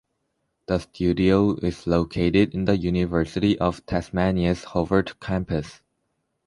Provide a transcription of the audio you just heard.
The studio is located in the University of Tasmania's Hobart campus.